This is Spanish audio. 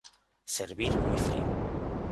Servir muy frío.